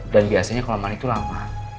dan biasanya kalau mandi itu lama